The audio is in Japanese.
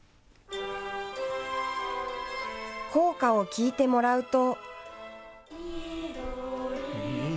校歌を聴いてもらうと。